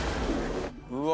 うわ。